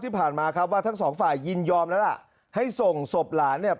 ที่ผ่านมาครับว่าทั้งสองฝ่ายยินยอมแล้วล่ะให้ส่งศพหลานเนี่ย